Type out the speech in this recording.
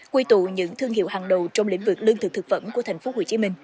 quy tụ những thương hiệu hàng đầu trong lĩnh vực lương thực thực phẩm của tp hcm